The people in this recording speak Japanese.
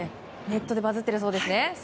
ネットでバズっているそうですね。